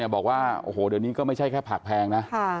บอกว่าโอ้โหเดี๋ยวนี้ก็ไม่ใช่แค่ผักแพงนะ